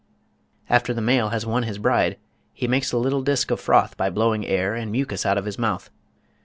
After the male has won his bride, he makes a little disc of froth by blowing air and mucus out of his mouth.